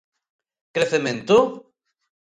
Crecemento?